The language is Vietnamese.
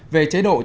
về chế độ chính phủ